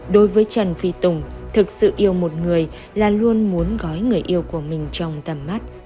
đối với trần phi tùng thực sự yêu một người là luôn muốn gói người yêu của mình trong tầm mắt